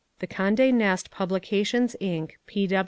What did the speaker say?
The Conde Nast Publications, Inc.